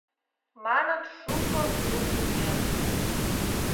Маныт шуко лум лумеш.